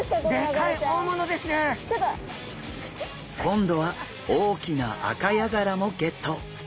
今度は大きなアカヤガラもゲット！